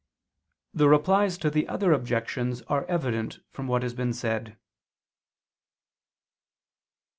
The Replies to the other Objections are evident from what has been said.